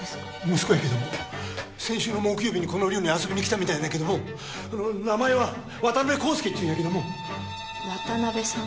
息子やけども先週の木曜日にこの寮に遊びにきたみたいなんやけども名前は渡辺康介っちゅうんやけども渡辺さん？